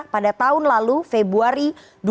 pada tahun lalu februari dua ribu dua puluh